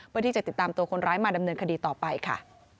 เพื่อที่จะติดตามตัวคนร้ายมาดำเนินคดีต่อไปค่ะ